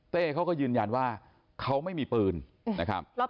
เขาก็ยืนยันว่าเขาไม่มีปืนนะครับ